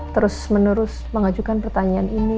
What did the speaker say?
terus menerus mengajukan pertanyaan ini